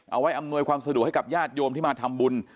เอาให้อำนวยความสะดวกกับญ้ายโยมที่มาทำบุญ